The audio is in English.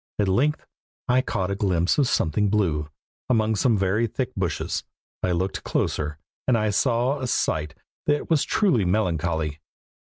At length I caught a glimpse of something blue, among some very thick bushes. I looked closer, and saw a sight that was truly melancholy.